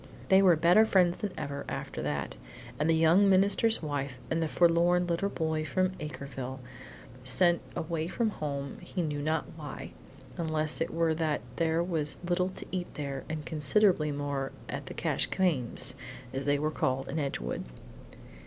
They were better friends than ever after that, the young minister's wife and the forlorn little boy from Acreville, sent away from home he knew not why, unless it were that there was little to eat there and considerably more at the Cash Cames', as they were called in Edgewood.